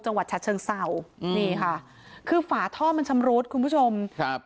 จังหวัดฉะเชิงเศร้านี่ค่ะคือฝาท่อมันชำรุดคุณผู้ชมครับ